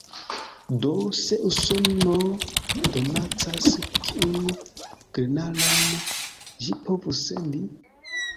Do, se Usono donacas, kiun grenaron ĝi povus sendi?